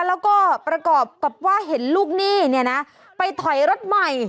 แล้วก็ประกอบกับว่าเห็นลูกหนี้เนี่ยนะไปถอยรถใหม่